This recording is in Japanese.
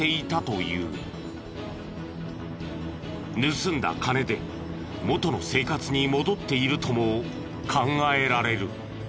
盗んだ金で元の生活に戻っているとも考えられる。